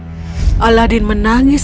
aladin menangis dan menangis untuk menangis